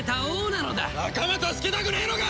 仲間助けたくねえのか！？